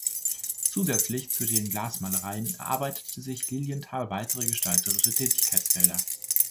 Zusätzlich zu den Glasmalereien erarbeitete sich Lilienthal weitere gestalterische Tätigkeitsfelder.